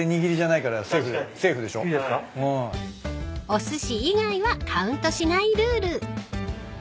［おすし以外はカウントしないルール］